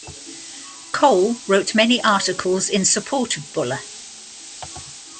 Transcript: Cole wrote many articles in support of Buller.